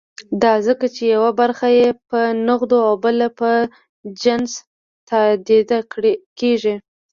دا ځکه چې یوه برخه یې په نغدو او بله په جنس تادیه کېږي.